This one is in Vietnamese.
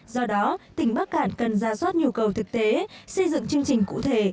do đó tỉnh bắc cạn cần ra soát nhu cầu thực tế xây dựng chương trình cụ thể